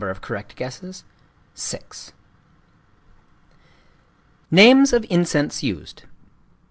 of correct guesses NAMES OF INCENSE USED.